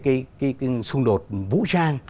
cái xung đột vũ trang